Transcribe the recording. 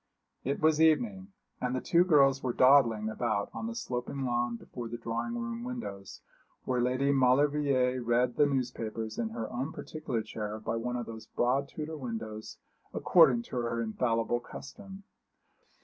It was evening, and the two girls were dawdling about on the sloping lawn before the drawing room windows, where Lady Maulevrier read the newspapers in her own particular chair by one of those broad Tudor windows, according to her infallible custom.